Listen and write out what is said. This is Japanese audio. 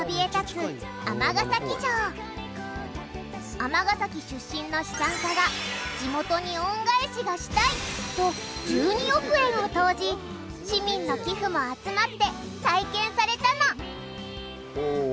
尼崎出身の資産家が「地元に恩返しがしたい」と１２億円を投じ市民の寄付も集まって再建されたのお。